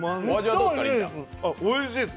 おいしいです。